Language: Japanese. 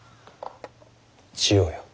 千代よ。